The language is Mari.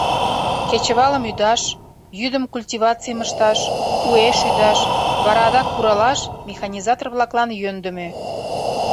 — Кечывалым ӱдаш, йӱдым культивацийым ышташ, уэш ӱдаш, вара адак куралаш механизатор-влаклан йӧндымӧ.